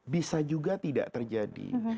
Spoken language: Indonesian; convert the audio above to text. bisa juga tidak terjadi